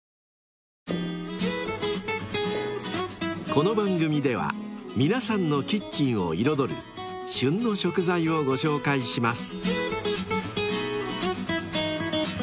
［この番組では皆さんのキッチンを彩る「旬の食材」をご紹介します］